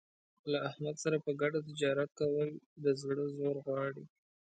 له احمد سره په ګډه تجارت کول د زړه زور غواړي.